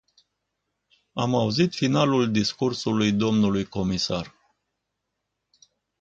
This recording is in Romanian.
Am auzit finalul discursului dlui comisar.